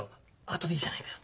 あとでいいじゃないかよ。